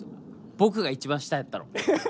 僕が一番下やったの。